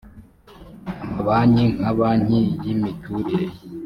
amabanki nka banki y imiturire